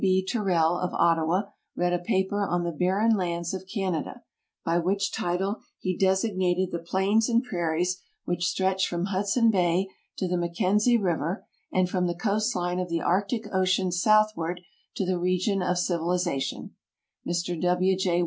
B. Tyrrell, of Ottawa, read a paper on the Barren Lands of Canada, by which title he designated the plains and prairies which stretch from Hudson bay to the Mac kenzie river and from the coastline of the Arctic ocean south ward to the region of civilization ; Mr W. J.